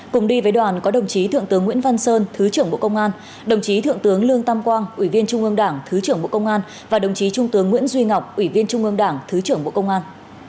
cùng đi với đoàn có đồng chí thượng tướng nguyễn văn sơn thứ trưởng bộ công an đồng chí thượng tướng lương tam quang ủy viên trung ương đảng thứ trưởng bộ công an và đồng chí trung tướng nguyễn duy ngọc ủy viên trung ương đảng thứ trưởng bộ công an